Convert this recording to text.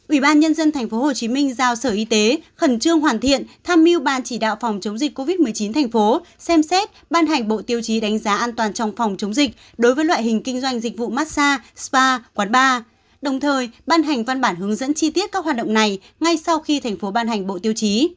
ủy ban nhân dân tp hcm giao sở y tế khẩn trương hoàn thiện tham mưu ban chỉ đạo phòng chống dịch covid một mươi chín thành phố xem xét ban hành bộ tiêu chí đánh giá an toàn trong phòng chống dịch đối với loại hình kinh doanh dịch vụ massage spa quán bar đồng thời ban hành văn bản hướng dẫn chi tiết các hoạt động này ngay sau khi thành phố ban hành bộ tiêu chí